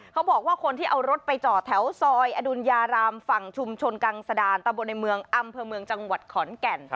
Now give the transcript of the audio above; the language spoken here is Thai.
เขาบอกว่าคนที่เอารถไปจอดแถวซอยอดุญญารามฝั่งชุมชนกังสดานตะบนในเมืองอำเภอเมืองจังหวัดขอนแก่น